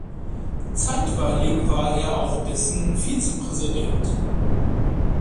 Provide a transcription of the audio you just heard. Zeitweilig war er auch dessen Vizepräsident.